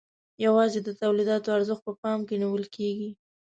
یوازې د تولیداتو ارزښت په پام کې نیول کیږي.